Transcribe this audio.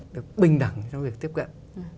được binh đẳng trong việc tiếp cận